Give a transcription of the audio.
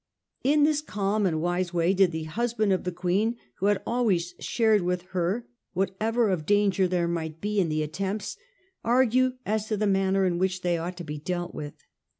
In this calm and wise way did the husband of the Queen, who had always shared with her whatever of danger there might be in the attempts, argue as to the manner in which they ought to be dealt with.